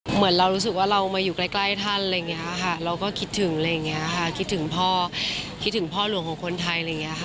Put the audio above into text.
เหมือนเรารู้สึกว่าเรามาอยู่ใกล้ท่านเราก็คิดถึงพ่อหลวงของคนไทย